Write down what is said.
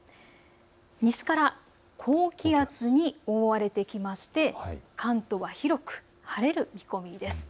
西から高気圧に覆われてきまして関東は広く晴れる見込みです。